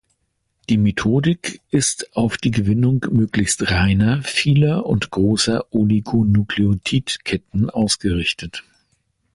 Die Methodik ist auf die Gewinnung möglichst reiner, vieler und großer Oligonukleotid-Ketten ausgerichtet.